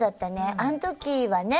あの時はね。